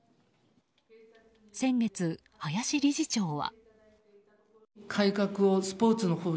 先月、林理事長は。